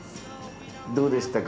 どうでしたか？